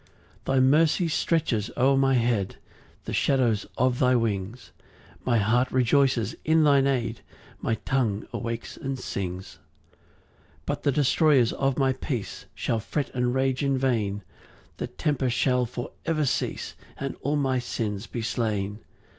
4 Thy mercy stretches o'er my head The shadow of thy wings; My heart rejoices in thine aid, My tongue awakes and sings. 5 But the destroyers of my peace Shall fret and rage in vain; The tempter shall for ever cease, And all my sins be slain.